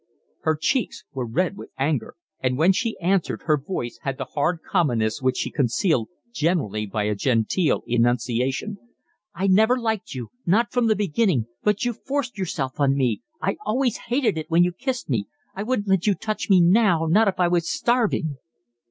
Her cheeks were red with anger, and when she answered her voice had the hard commonness which she concealed generally by a genteel enunciation. "I never liked you, not from the beginning, but you forced yourself on me, I always hated it when you kissed me. I wouldn't let you touch me now not if I was starving."